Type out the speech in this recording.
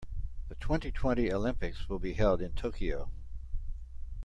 The twenty-twenty Olympics will be held in Tokyo.